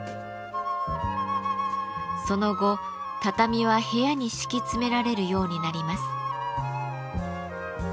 その後畳は部屋に敷き詰められるようになります。